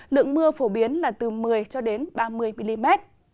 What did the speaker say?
lượng mưa phổ biến là từ một mươi ba mươi mm